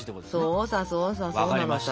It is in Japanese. そうさそうさそうなのさ。